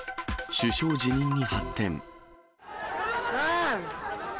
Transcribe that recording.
首相辞任に発展。